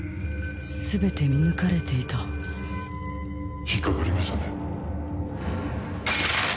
全て見抜かれていた引っ掛かりましたね。